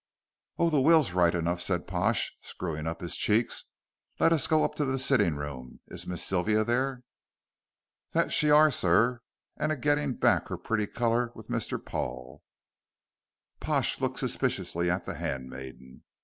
"Oh, the will's right enough," said Pash, screwing up his cheeks; "let us go up to the sitting room. Is Miss Sylvia there?" "That she are, sir, and a getting back her pretty color with Mr. Paul." Pash looked suspiciously at the handmaiden.